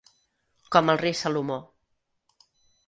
Com el rei Salomó.